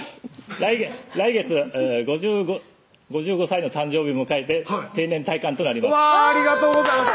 来月５５歳の誕生日迎えて定年退官となりますうわありがとうございました